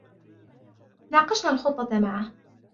ناقشنا الخطة معه.